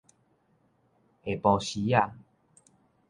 下晡時仔